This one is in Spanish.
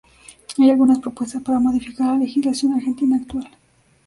Hay algunas propuestas para modificar la legislación argentina actual.